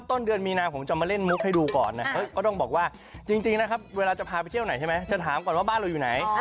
ตอนเดือนมีนาวจะมาเล่นมุกให้ดูก่อนวันนี้ครับจริงนะครับเวลาจะไปเที่ยวไหนใช่ไหมกูจะถามว่าบ้านเราอยู่ไหน